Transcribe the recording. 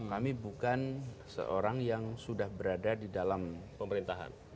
kami bukan seorang yang sudah berada di dalam pemerintahan